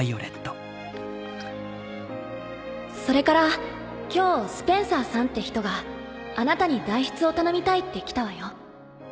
「それから今日スペンサーさんって人があなたに代筆を頼みたいって来たわよ。